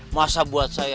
masa buat saya